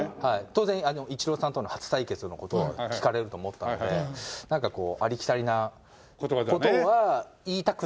当然イチローさんとの初対決の事は聞かれると思ったのでありきたりな事は言いたくないなって。